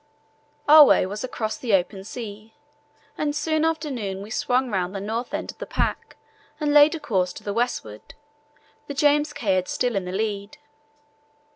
Our way was across the open sea, and soon after noon we swung round the north end of the pack and laid a course to the westward, the James Caird still in the lead.